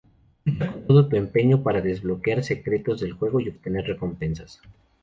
Lucha con todo tu empeño para desbloquear secretos del juego y obtener recompensas.